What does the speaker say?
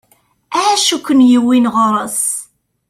Acu ik-yewwin ɣur-s?